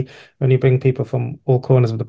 ketika anda membawa orang orang dari semua sudut dunia bersama